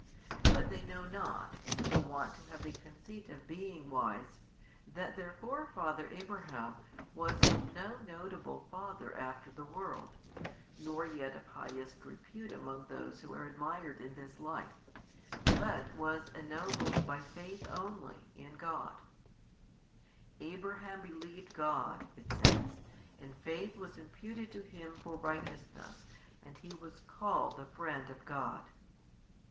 But they know not, though wont to have a conceit of being wise, that their forefather Abraham was of no notable father after the world, nor yet of highest repute among those who are admired in this life, but was ennobled by faith only in God: Abraham believed God, it says, and faith was imputed to him for righteousness and he was called the Friend of God.